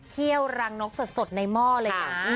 ี่ยวรังนกสดในหม้อเลยนะ